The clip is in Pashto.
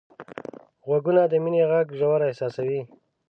غوږونه د مینې غږ ژور احساسوي